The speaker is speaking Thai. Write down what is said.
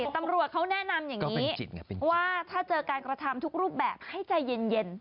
ตำรวจเขาแนะนำอย่างนี้ว่าถ้าเจอการกระทำทุกรูปแบบให้ใจเย็น